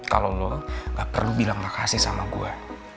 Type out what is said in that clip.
kalau lo gak perlu bilang makasih sama gue